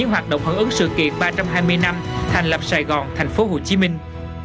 hợp ứng sự kiện ba trăm hai mươi năm thành lập sài gòn thành phố hồ chí minh